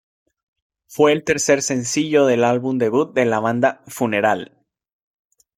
Fue el tercer sencillo del álbum debut de la banda, "Funeral".